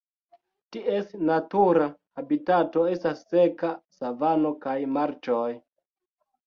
Ties natura habitato estas seka savano kaj marĉoj.